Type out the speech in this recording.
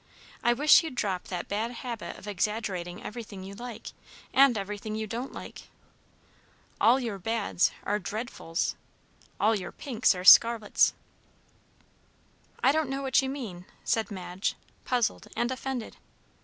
"I wish you'd drop that bad habit of exaggerating everything you like, and everything you don't like. All your 'bads' are 'dreadfuls,' all your pinks are scarlets." "I don't know what you mean," said Madge, puzzled and offended.